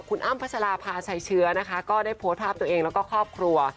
คุณอ้ำพัชราภาชัยเชื้อนะคะก็ได้โพสต์ภาพตัวเองแล้วก็ครอบครัว